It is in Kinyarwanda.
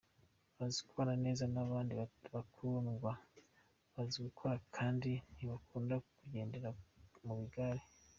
Bazi kubana neza n’abandi, barakundwa, bazi gukora kandi ntibakunda kugendera mu bigare.